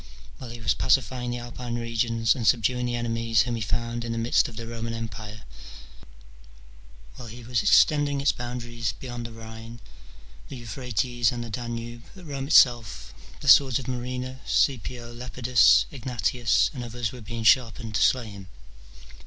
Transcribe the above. While he was pacifying the Alpine regions, and subduing the enemies whom he found in the midst of the Roman empire, while he was extending its boundaries beyond the Rhine, the Euphrates, and the Danube, at Rome itself the swords of Murena, Caepio, Lepidus, Egnatius, and others were being sharpened to slay him.